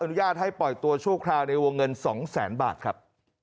อุญาตให้ปล่อยตัวชั่วคราวในวงเงิน๒แสนบาทครับ